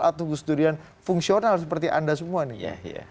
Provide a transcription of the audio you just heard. atau gusdurian fungsional seperti anda semua nih